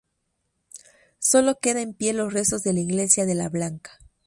Sólo queda en pie los restos de la iglesia de la Blanca.